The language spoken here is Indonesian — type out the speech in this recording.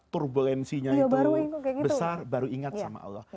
turbulensinya itu besar baru ingat sama allah